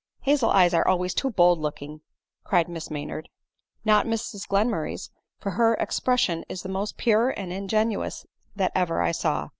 " Hazel eyes are always bold looking," cried Miss Maynard. "Not Mrs Glenmurray's; for her expression is the most pure and ingenuous that ever I saw.